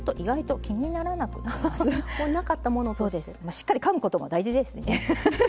しっかりかむことも大事ですよね。